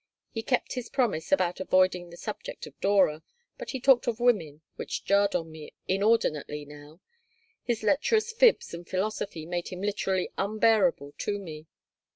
He kept his promise about avoiding the subject of Dora, but he talked of women, which jarred on me inordinately now. His lecherous fibs and philosophy made him literally unbearable to me.